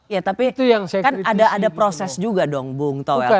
ya tapi kan ada proses juga dong bung toel